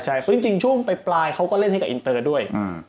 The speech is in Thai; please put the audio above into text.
เพราะจริงช่วงปลายเขาก็เล่นให้กับอินเตอร์ด้วย